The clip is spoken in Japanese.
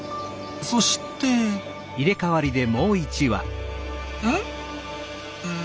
そしてうん？